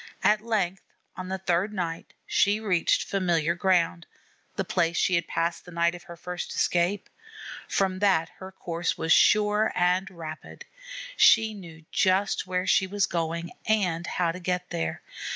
At length on the third night she reached familiar ground, the place she had passed the night of her first escape. From that her course was sure and rapid. She knew just where she was going and how to get there.